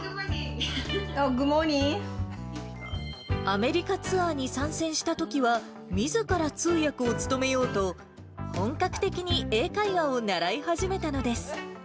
アメリカツアーに参戦したときは、みずから通訳を務めようと、本格的に英会話を習い始めたのです。